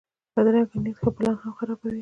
بدرنګه نیت ښه پلان هم خرابوي